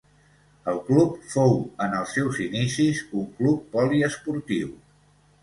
El club fou en els seus inicis un club poliesportiu.